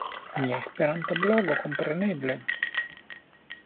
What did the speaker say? Mia esperanta blogo, kompreneble!